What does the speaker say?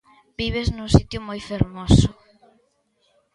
Vives nun sitio moi fermoso.